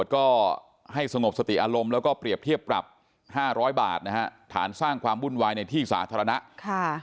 ก็ให้สงบสติอารมณ์แล้วก็เปรียบเทียบปรับ๕๐๐บาทนะฮะฐานสร้างความวุ่นวายในที่สาธารณะค่ะ